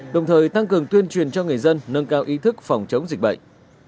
đồng thời tăng cường tuyên truyền cho người dân nâng cao ý thức phòng chống dịch bệnh